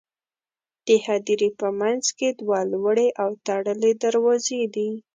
د هدیرې په منځ کې دوه لوړې او تړلې دروازې دي.